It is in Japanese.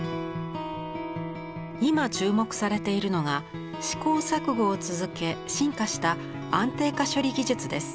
今注目されているのが試行錯誤を続け進化した安定化処理技術です。